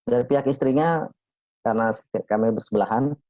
dari pihak istrinya karena kami bersebelahan